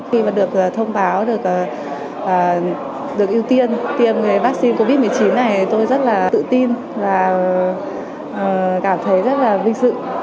khi mà được thông báo được ưu tiên tiêm vaccine covid một mươi chín này tôi rất là tự tin và cảm thấy rất là vinh dự